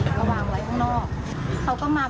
เขาวางไว้ข้างนอกเขาก็มาประมาณ๙โมงครึ่งนะครับ